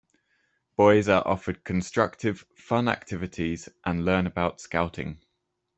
Boys are offered constructive, fun activities and learn about scouting.